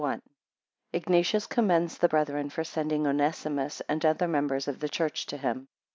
1 Ignatius commends the brethren for sending Onesimus and other members of the church to him.